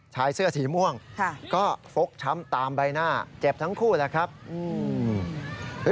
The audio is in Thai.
ชายเสื้อสีม่วงค่ะก็ฟกช้ำตามใบหน้าเจ็บทั้งคู่แหละครับอืม